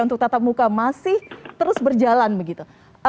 untuk tatap muka masih terus berjalan begitu